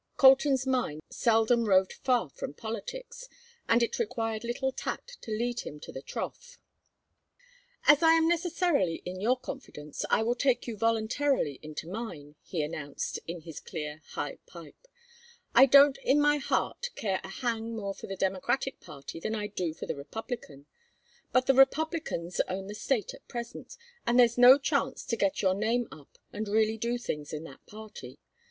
Colton's mind seldom roved far from politics, and it required little tact to lead him to the trough. "As I am necessarily in your confidence I will take you voluntarily into mine," he announced, in his clear high pipe. "I don't in my heart care a hang more for the Democratic party than I do for the Republican. But the Republicans own the State at present, and there's no chance to get your name up and really do things in that party.